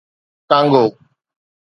Congo